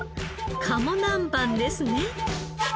鴨南蛮ですね。